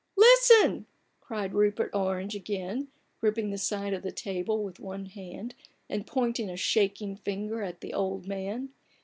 " Listen !" cried Rupert Orange again, gripping the side of the table with one hand and pointing a shaking ringer at the old man.